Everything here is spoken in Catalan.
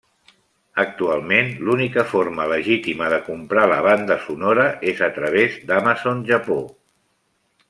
Actualment, l'única forma legítima de comprar la banda sonora és a través d'Amazon Japó.